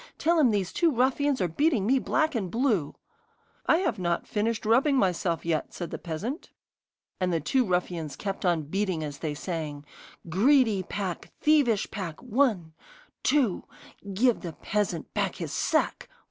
Tell him these two ruffians are beating me black and blue.' 'I've not finished rubbing myself yet,' said the peasant. And the two ruffians kept on beating as they sang: 'Greedy pack! Thievish pack! One two Give the peasant back his sack!